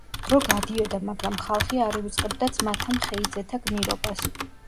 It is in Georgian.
დრო გადიოდა, მაგრამ ხალხი არ ივიწყებდა ძმათა მხეიძეთა გმირობას.